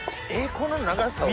この長さを。